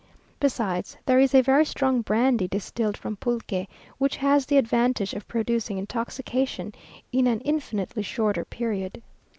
Besides, there is a very strong brandy distilled from pulque, which has the advantage of producing intoxication in an infinitely shorter period.